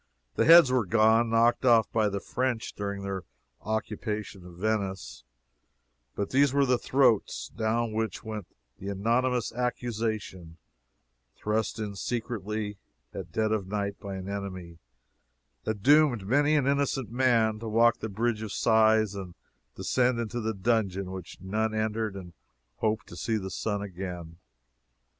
The heads were gone (knocked off by the French during their occupation of Venice,) but these were the throats, down which went the anonymous accusation, thrust in secretly at dead of night by an enemy, that doomed many an innocent man to walk the Bridge of Sighs and descend into the dungeon which none entered and hoped to see the sun again.